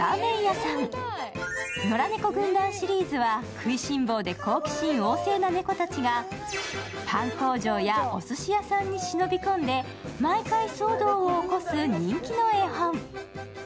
食いしん坊で好奇心旺盛なネコたちがパン工場やおすし屋さんに忍び込んで毎回騒動を起こす人気の絵本。